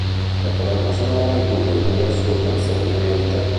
La colonna sonora include due sue canzoni inedite.